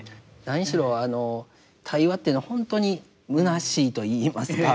何しろ対話というのはほんとにむなしいと言いますか。